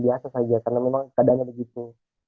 biasa saja karena memang keadaannya begitu